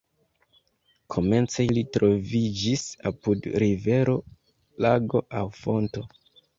Komence ili troviĝis apud rivero, lago aŭ fonto.